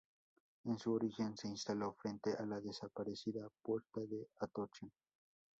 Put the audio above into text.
En su origen se instaló frente a la desaparecida puerta de Atocha.